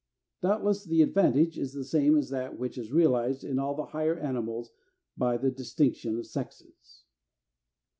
Doubtless the advantage is the same as that which is realized in all the higher animals by the distinction of sexes.